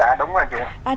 dạ đúng rồi chị